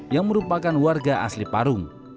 yang merupakan warga asli parung